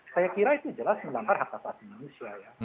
saya kira itu jelas melanggar hak hak asasi manusia